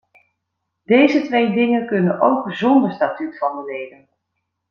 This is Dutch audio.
Deze twee dingen kunnen ook zonder statuut van de leden.